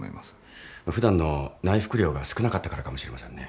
普段の内服量が少なかったからかもしれませんね。